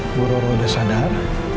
bu roro sudah sadar